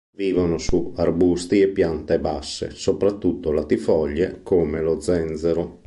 Vivono su arbusti e piante basse, soprattutto latifoglie come lo zenzero.